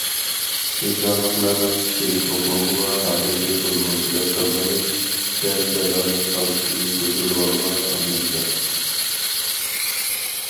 شىنجاڭلىقلارنىڭ كىشىلىك ھوقۇقىغا ھەقىقىي بۇزغۇنچىلىق قىلغىنى دەل جازالاش كالتىكىنى كۆتۈرۈۋالغان ئامېرىكا.